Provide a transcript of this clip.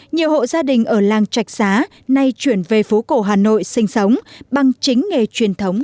nhiều hộ gia đình ở làng trạch xá nay chuyển về phố cổ hà nội sinh sống bằng chính nghề truyền thống